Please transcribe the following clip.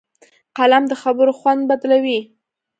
قلم د خبرو خوند بدلوي